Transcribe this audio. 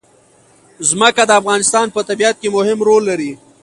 ځمکه د افغانستان په طبیعت کې مهم رول لري.